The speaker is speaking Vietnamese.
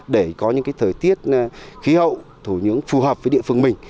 để có những cái thời tiết khí hậu thủ nhướng phù hợp với địa phương mình